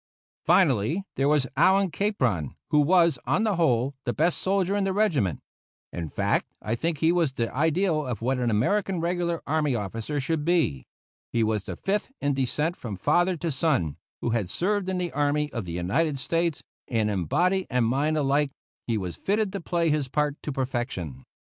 Finally, there was Allyn Capron, who was, on the whole, the best soldier in the regiment. In fact, I think he was the ideal of what an American regular army officer should be. He was the fifth in descent from father to son who had served in the army of the United States, and in body and mind alike he was fitted to play his part to perfection.